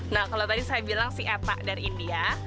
nah kalau tadi saya bilang si eta dari india